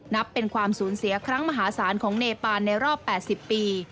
นับเป็นความสูญเสียครั้งมหาศาลของเนปานในรอบ๘๐ปี